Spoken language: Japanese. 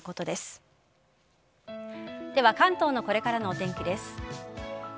では関東のこれからのお天気です。